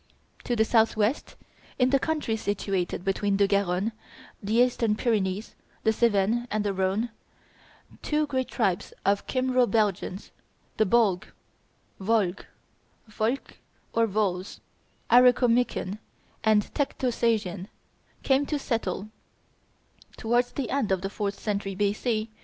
To the south west, in the country situated between the Garonne, the eastern Pyrenees, the Cevennes, and the Rhone, two great tribes of Kymro Belgians, the Bolg, Volg, Volk, or Voles, Arecomican and Tectosagian, came to settle, towards the end of the fourth century B.